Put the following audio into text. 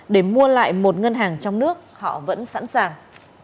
để mua lại một ngân hàng trong nước họ vẫn sẵn sàng